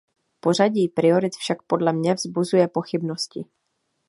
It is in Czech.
Pořadí priorit však podle mě vzbuzuje pochybnosti.